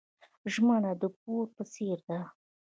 ژمنه د پور په څیر ده.